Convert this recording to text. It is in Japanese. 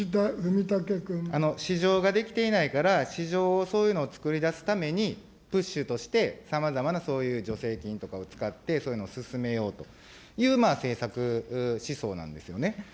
市場が出来ていないから、市場を、そういうのを作り出すために、プッシュとしてさまざまなそういう助成金とかを使ってそういうのを進めようという政策思想なんですよね。